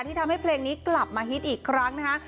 ทำให้เพลงนี้กลับมาฮิตอีกครั้งนะคะ